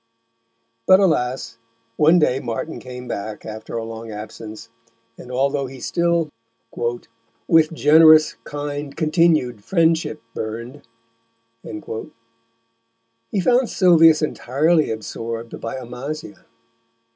But alas! one day Martin came back, after a long absence, and, although he still With generous, kind, continu'd Friendship burn'd, he found Sylvius entirely absorbed by Amasia.